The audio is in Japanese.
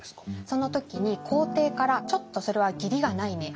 その時に皇帝から「ちょっとそれは義理がないね」